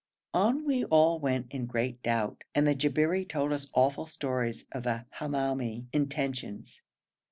On we all went in great doubt, and the Jabberi told us awful stories of the Hamoumi intentions.